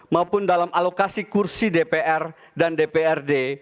maupun dalam alokasi kursi dpr dan dprd